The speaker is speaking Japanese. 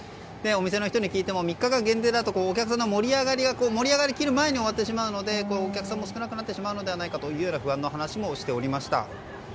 お店の人に聞いても３日間限定だとお客さんが盛り上がりきる前に終わってしまうのでお客さんも少なくなってしまうのではないかという話もしていました。